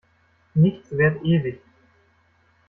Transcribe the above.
Nichts währt ewig.